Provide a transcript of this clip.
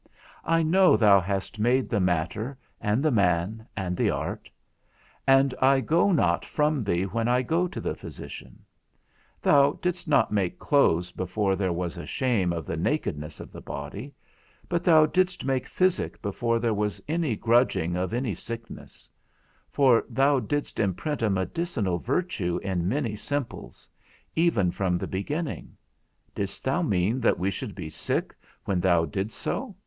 I know thou hast made the matter, and the man, and the art; and I go not from thee when I go to the physician. Thou didst not make clothes before there was a shame of the nakedness of the body, but thou didst make physic before there was any grudging of any sickness; for thou didst imprint a medicinal virtue in many simples, even from the beginning; didst thou mean that we should be sick when thou didst so?